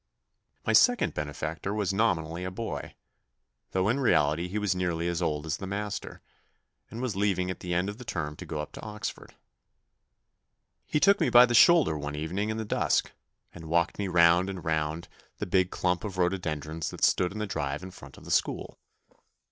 My second benefactor was nominally a boy, though in reality he was nearly as old as the master, and was leaving at the end of the term to go up to Oxford. He took 68 THE NEW BOY me by the shoulder one evening in the dusk, and walked me round and round the big clump of rhododendrons that stood in the drive in front of the school.